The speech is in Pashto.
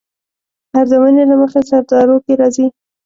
ارزونې له مخې سرلارو کې راځي.